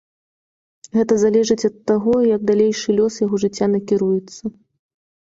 Гэта залежыць ад таго, як далейшы лёс яго жыцця накіруецца.